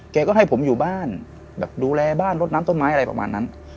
แกก็ให้ผมอยู่บ้านแบบดูแลบ้านลดน้ำต้นไม้อะไรประมาณนั้น